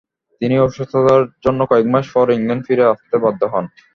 তিনি অসুস্থতার জন্য কয়েকমাস পর ইংল্যান্ড ফিরে আসতে বাধ্য হন।